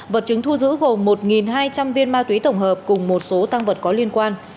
vật chứng thu giữ gồm một hai trăm linh viên ma túy tổng hợp cùng một số tăng vật có liên quan